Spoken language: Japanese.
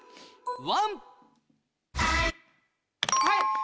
はい！